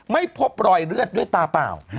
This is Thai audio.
ไม่พบรอยเลือดด้วยตาเปล่า